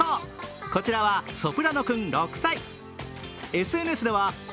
こちらはソプラノ君６歳。